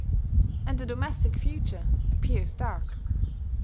And the domestic future appears dark.